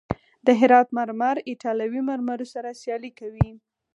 د هرات مرمر ایټالوي مرمرو سره سیالي کوي.